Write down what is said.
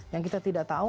yang kita tidak tahu